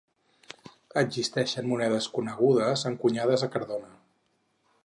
Existeixen monedes conegudes encunyades a Cardona.